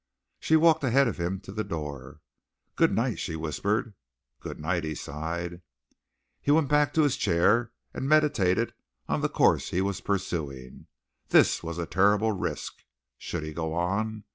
She walked ahead of him to the door. "Good night," she whispered. "Good night," he sighed. He went back to his chair and meditated on the course he was pursuing. This was a terrible risk. Should he go on?